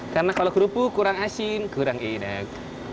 karena kalau kerupuk kurang asin kurang enak